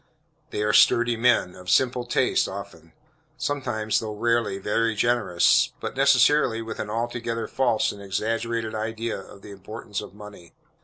They are sturdy men, of simple tastes often. Sometimes, though rarely, very generous, but necessarily with an altogether false and exaggerated idea of the importance of money.